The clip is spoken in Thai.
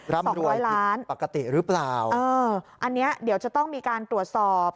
ร่ำรวยปกติหรือเปล่าเอออันนี้เดี๋ยวจะต้องมีการตรวจสอบ